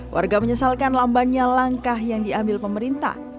warga menyesalkan lambannya langkah yang diambil pemerintah